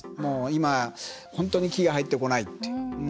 今、本当に木が入ってこないって。